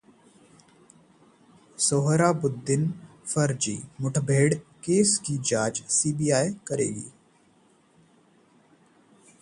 सोहराबुद्दीन फर्जी मुठभेड़ केस की जांच सीबीआई करेगी